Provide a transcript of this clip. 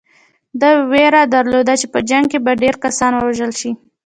ده وېره درلوده چې په جنګ کې به ډېر کسان ووژل شي.